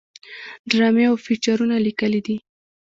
ډرامې او فيچرونه ليکلي دي